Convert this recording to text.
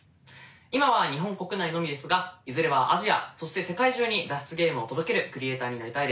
今は日本国内のみですがいずれはアジアそして世界中に脱出ゲームを届けるクリエイターになりたいです。